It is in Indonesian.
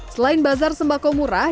selain bazar sembako murah